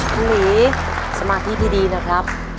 ครูหลีสมาธิที่ดีนะครับ